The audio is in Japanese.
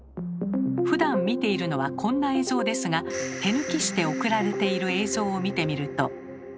ふだん見ているのはこんな映像ですが手抜きして送られている映像を見てみると。